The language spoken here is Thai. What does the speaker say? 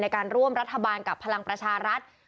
การร่วมรัฐบาลกับพลังประชารัฐ